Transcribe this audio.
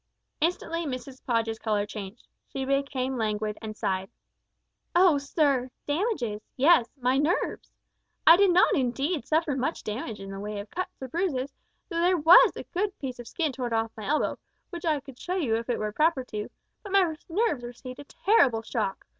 Instantly Mrs Podge's colour changed. She became languid, and sighed. "Oh, sir damages yes my nerves! I did not indeed suffer much damage in the way of cuts or bruises, though there was a good piece of skin torn off my elbow, which I could show you if it were proper to but my nerves received a terrible shock.